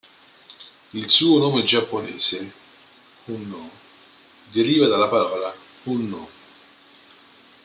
Il suo nome giapponese, アンノーン Unknown, deriva dalla parola "unknown".